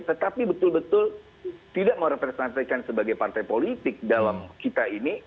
tetapi betul betul tidak merepresentasikan sebagai partai politik dalam kita ini